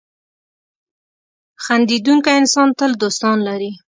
• خندېدونکی انسان تل دوستان لري.